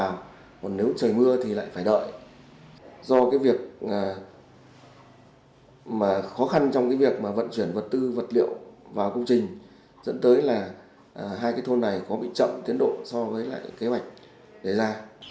còn nếu trời mưa thì lại phải đợi do cái việc mà khó khăn trong cái việc mà vận chuyển vật tư vật liệu vào công trình dẫn tới là hai cái thôn này có bị chậm tiến độ so với lại kế hoạch đề ra